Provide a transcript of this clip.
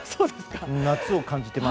夏を感じてます。